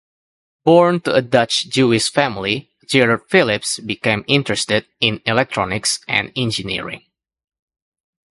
Born to a Dutch Jewish family, Gerard Philips became interested in electronics and engineering.